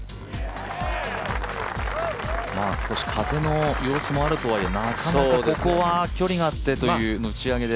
少し風の様子もあるとはいえ、ここはなかなか距離があってという感じで。